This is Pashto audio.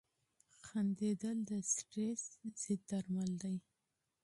• خندېدل د سټرېس ضد درمل دي.